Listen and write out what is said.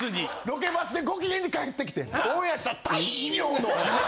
ロケバスでご機嫌に帰ってきてオンエアしたら大量の！